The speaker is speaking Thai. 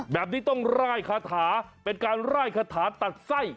แบบนี้ต้องร่ายคาถาเป็นการร่ายคาถาตัดไส้